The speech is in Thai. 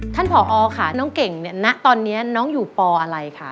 ผอค่ะน้องเก่งเนี่ยณตอนนี้น้องอยู่ปอะไรคะ